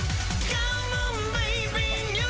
カモンベイビー！